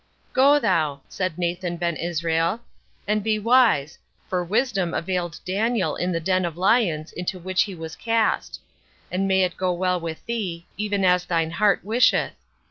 "Go thou," said Nathan Ben Israel, "and be wise, for wisdom availed Daniel in the den of lions into which he was cast; and may it go well with thee, even as thine heart wisheth.